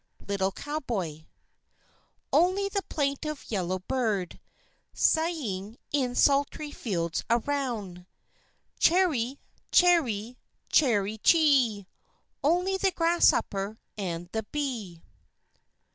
LITTLE COWBOY Only the plaintive yellowbird Sighing in sultry fields around, "Chary, chary, chary, chee ee! " Only the grasshopper and the bee.